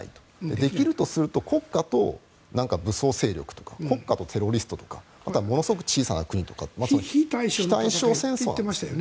できるとすると国家と武装勢力とか国家とテロリストとかあとはものすごく小さな国とか非対称戦争なんです。